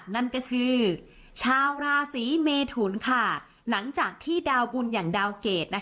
นั่นก็คือชาวราศีเมทุนค่ะหลังจากที่ดาวบุญอย่างดาวเกรด